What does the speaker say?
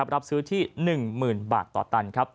รับซื้อที่๑๐๐๐บาทต่อตัน